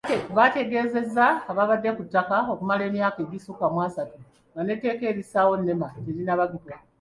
Baategeezezza babadde ku ttaka okumala emyaka egisukka mwa asatu nga n'etteeka erissaawo Nema terinnabaggibwa.